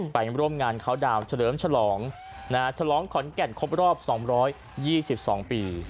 ไปร่วมงานเขาดาวนเฉลิมฉลองฉลองขอนแก่นครบรอบ๒๒ปี